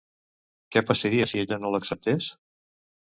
Què passaria si ella no l'acceptés?